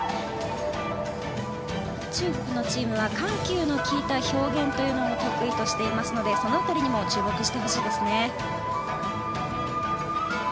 中国のチームは緩急の利いた表現というのを得意としていますのでその辺りにも注目してほしいですね。